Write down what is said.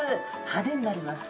派手になります。